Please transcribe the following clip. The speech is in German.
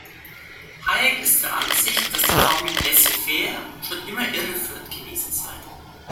Hayek ist der Ansicht, dass die Formel „Laissez-faire“ schon immer irreführend gewesen sei.